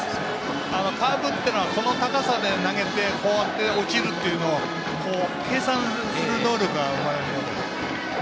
カーブというのはこの高さで投げてこうやって落ちるというのを計算する能力が生まれるので。